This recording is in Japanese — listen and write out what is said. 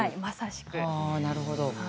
なるほど。